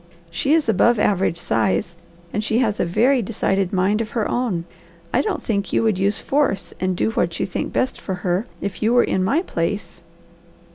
She is above average size, and she has a very decided mind of her own. I don't think you would use force and do what you think best for her, if you were in my place.